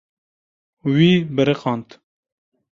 Wî biriqand.